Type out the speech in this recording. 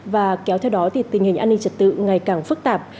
và kéo theo đó thì tình hình an ninh trật tự ngày càng phức tạp